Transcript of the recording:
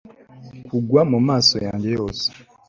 Kugwa mumaso yanjye yose